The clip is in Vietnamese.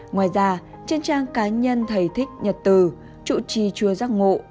ngoài ra trên trang cá nhân thầy thích nhật từ chủ trì chùa giác ngộ